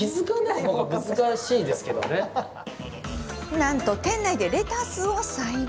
なんと、店内でレタスを栽培。